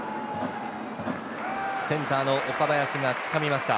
センターの岡林が掴みました。